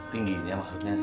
tinggi ya maksudnya